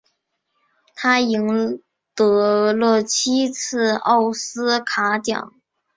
他赢得了七次奥斯卡奖。